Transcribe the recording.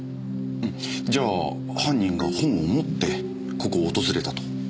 じゃあ犯人が本を持ってここを訪れたと？